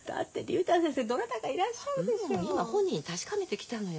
ううん今本人に確かめてきたのよ。